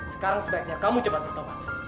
sekarang sebaiknya kamu coba bertobat